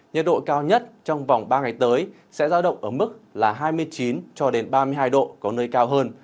nhiệt độ cao nhất trong vòng ba ngày tới sẽ ra động ở mức là hai mươi chín ba mươi hai độ có nơi cao hơn